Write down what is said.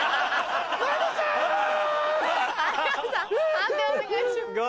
判定お願いします。